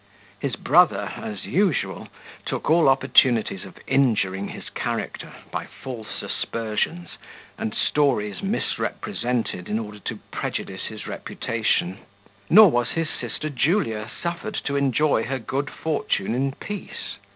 His brother, as usual, took all opportunities of injuring his character, by false aspersions, and stories misrepresented, in order to prejudice his reputation; nor was his sister Julia suffered to enjoy her good fortune in peace.